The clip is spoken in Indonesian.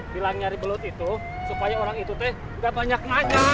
bilang nyari belut itu supaya orang itu teh gak banyak nanya